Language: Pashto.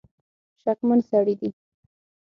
شکمن سړي دي.